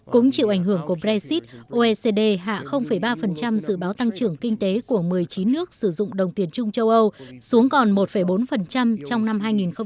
cũng chịu ảnh hưởng của brexit oecd hạ ba dự báo tăng trưởng kinh tế của một mươi chín nước sử dụng đồng tiền chung châu âu xuống còn một bốn trong năm hai nghìn hai mươi